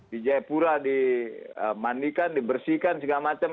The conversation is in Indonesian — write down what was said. di jayapura dimandikan dibersihkan segala macam